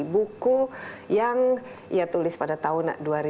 buku yang dia tulis pada tahun dua ribu tiga belas